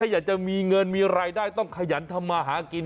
อยากจะมีเงินมีรายได้ต้องขยันทำมาหากิน